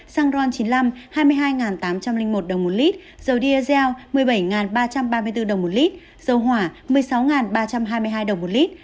xăng ron chín mươi năm hai mươi hai tám trăm linh một đồng một lít dầu diesel một mươi bảy ba trăm ba mươi bốn đồng một lít dầu hỏa một mươi sáu ba trăm hai mươi hai đồng một lít